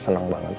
seneng banget sih